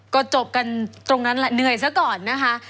ก็จบกันตรงนั้นแหละเหนื่อยซะก่อนนะคะ